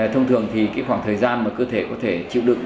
thông thường thì khoảng thời gian mà cơ thể có thể chịu đựng